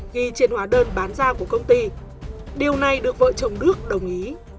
ghi trên hóa đơn bán ra của công ty điều này được vợ chồng đức đồng ý